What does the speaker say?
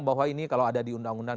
bahwa ini kalau ada di undang undang